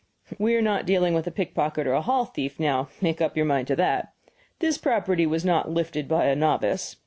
We are not dealing with a pickpocket or a hall thief now, make up your mind to that. This property was not 'lifted' by a novice.